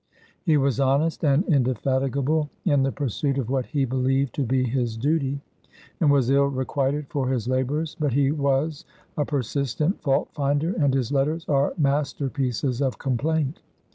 He was honest and indefatigable in the pursuit of what he believed to be his duty, and was ill requited for his labors, but he was a persistent fault finder and his letters are masterpieces of complaint.